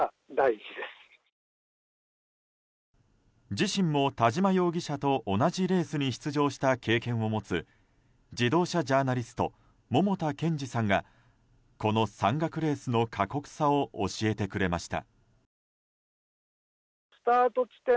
自身も田嶋容疑者と同じレースに出場した経験を持つ自動車ジャーナリスト桃田健史さんがこの山岳レースの過酷さを教えてくれました。